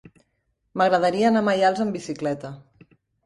M'agradaria anar a Maials amb bicicleta.